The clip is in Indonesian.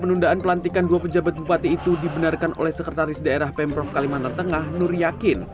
penundaan pelantikan dua pejabat bupati itu dibenarkan oleh sekretaris daerah pemprov kalimantan tengah nur yakin